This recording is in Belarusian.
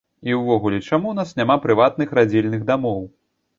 І ўвогуле, чаму у нас няма прыватных радзільных дамоў?